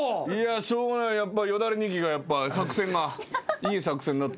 しょうがないよだれニキが作戦がいい作戦だったよ。